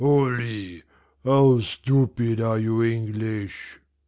Holy, how stupid are you English!"